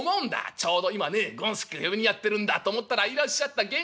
ちょうど今ね権助を呼びにやってるんだ。と思ったらいらっしゃった源庵先生だ。